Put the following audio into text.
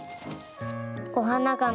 おはながみ。